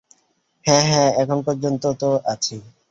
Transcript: হ্যাঁ হ্যাঁ, এখন পর্যন্ত তো আছি।